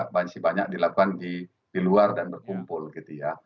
tetapi melakukan aktivitas juga masih banyak dilakukan di luar dan berkumpul gitu ya